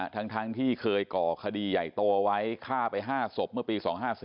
ทั้งที่เคยก่อคดีใหญ่โตไว้ฆ่าไป๕ศพเมื่อปี๒๕๔